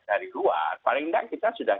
dari luar paling tidak kita sudah